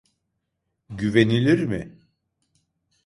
Güvenilir mi?